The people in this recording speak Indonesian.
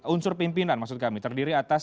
unsur pimpinan maksud kami terdiri atas